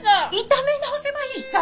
炒め直せばいいさ！